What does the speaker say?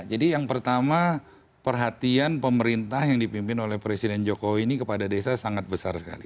jadi yang pertama perhatian pemerintah yang dipimpin oleh presiden jokowi ini kepada desa sangat besar sekali